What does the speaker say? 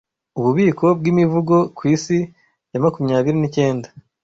Ububiko bw'Imivugo ku Isi ya makumyabiri nicyenda